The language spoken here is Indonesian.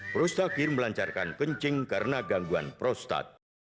prostakir melancarkan kencing karena gangguan prostat